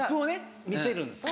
見せるんですよ。